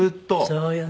そうよね。